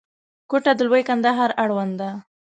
کوټه د لوی کندهار اړوند ده.